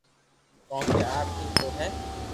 ڪونڪھ آپ ھي تو ھي